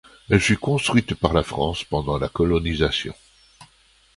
Elle fut construite par la France pendant la colonisation.